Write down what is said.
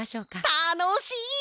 たのしい！